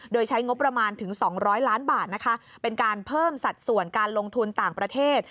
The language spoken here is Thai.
โดยใช้งบประมาณถึง๒๐๐ล้านบาทนะคะเป็นการเพิ่มสัดส่วนการลงทุนต่างประเทศ